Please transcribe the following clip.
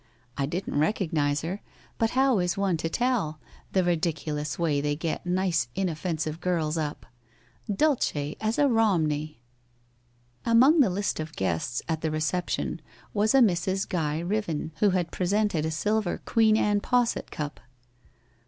I didn't recognise her, but how is one to tell, the ridiculous way they get nice inoffensive girls up ! Dulce as a Eomney !' Among the list of guests at the reception was a Mrs. Guy Riven, who had presented a silver Queen Anne posset cup.